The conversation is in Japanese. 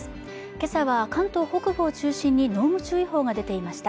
今朝は関東北部を中心に濃霧注意報が出ていました